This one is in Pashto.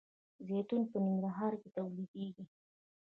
زیتون په ننګرهار کې تولیدیږي.